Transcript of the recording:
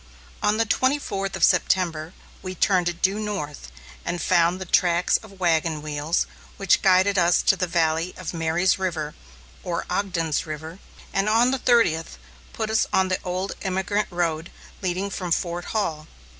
On the twenty fourth of September, we turned due north and found the tracks of wagon wheels, which guided us to the valley of "Mary's River," or "Ogden's River," and on the thirtieth, put us on the old emigrant road leading from Fort Hall.